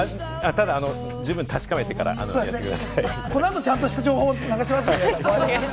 ただ十分、確かめてからやっこの後、ちゃんとした情報をやります。